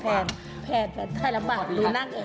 แผนถ่ายลำบากหนูนั่งเอ่อ